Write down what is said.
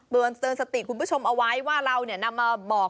เตือนสติคุณผู้ชมเอาไว้ว่าเรานำมาบอก